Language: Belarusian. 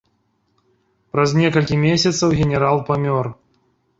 Праз некалькі месяцаў генерал памёр.